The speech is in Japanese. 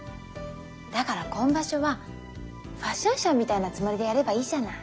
だから今場所はファッションショーみたいなつもりでやればいいじゃない。